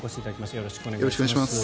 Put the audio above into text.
よろしくお願いします。